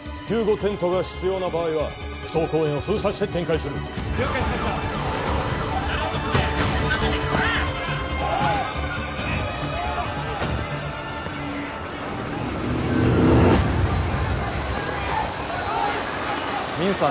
テントが必要な場合は埠頭公園を封鎖して展開する了解しましたミンさん